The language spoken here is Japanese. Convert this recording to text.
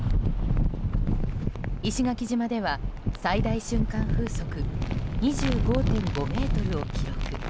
石垣島では最大瞬間風速２５．５メートルを記録。